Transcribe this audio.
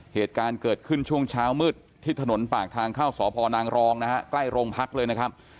เหตุการณ์เกิดขึ้นช่วงเช้ามืดที่ถนนปากทางเข้าสพนางรองนะฮะใกล้โรงพักเลยนะครับ